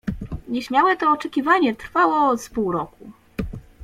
"Nieśmiałe to oczekiwanie trwało z pół roku."